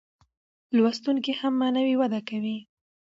لوستونکی هم معنوي وده کوي.